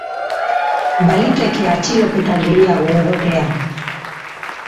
Baliteke atxiloketa gehiago egotea.